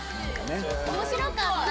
面白かった！